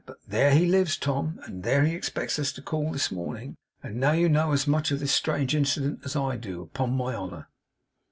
'But there he lives, Tom, and there he expects us to call this morning. And now you know as much of this strange incident as I do, upon my honour.